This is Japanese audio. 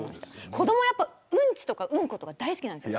子どもはうんちとかうんことか大好きなんですよ。